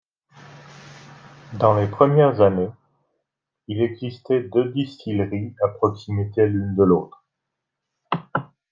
Dans les premières années, il existait deux distilleries à proximité l'une de l'autre.